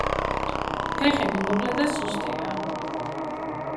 ფეხები მოკლე და სუსტია.